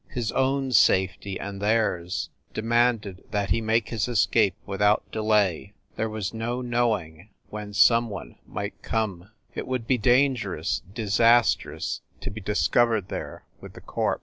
His own safety and theirs, de manded that he make his escape without delay there was no knowing when some one might come it would be dangerous, disastrous to be discovered there with the corpse.